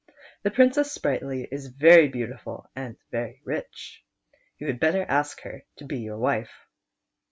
The Princess Sprightly is very beautiful and very rich ; you had better ask her to be your wife."